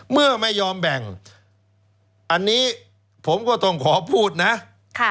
เมื่อไม่ยอมแบ่งอันนี้ผมก็ต้องขอพูดนะค่ะ